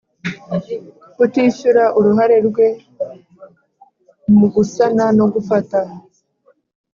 Kutishyura uruhare rwe mu gusana no gufata